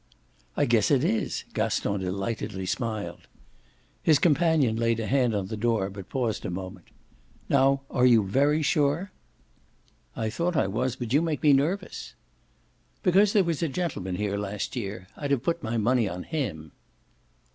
"I guess it is!" Gaston delightedly smiled. His companion laid a hand on the door, but paused a moment. "Now are you very sure?" "I thought I was, but you make me nervous." "Because there was a gentleman here last year I'd have put my money on HIM."